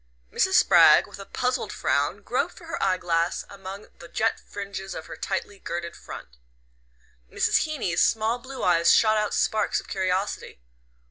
Mrs. Spragg, with a puzzled frown, groped for her eye glass among the jet fringes of her tightly girded front. Mrs. Heeny's small blue eyes shot out sparks of curiosity.